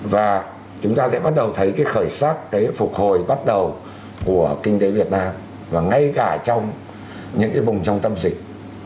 và chúng ta sẽ bắt đầu thấy cái khởi sắc phục hồi bắt đầu của kinh tế việt nam và ngay cả trong những cái vùng trong tâm dịch